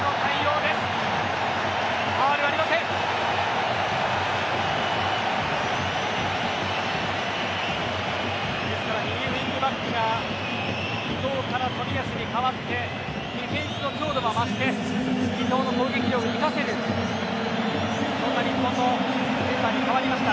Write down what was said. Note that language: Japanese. ですから右ウイングバックが伊東から冨安に代わってディフェンスの強度が増してスペインの攻撃を防いでいるそのような展開に変わりました。